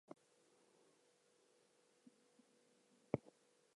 They divorced seven years later as their career paths diverged.